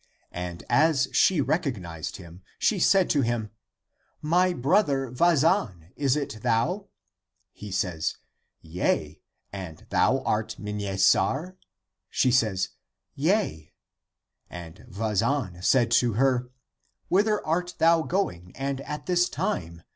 And as she recognized him, she said to him, "My brother Vazan, is it thou?" He says, "Yea. And thou art Mnesar?" She says, " Yea." And Vazan said to her, " Whither art thou going and at this time?